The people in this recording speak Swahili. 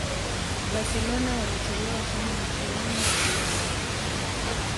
barcelona walitolewa kwenye michuano ya ulaya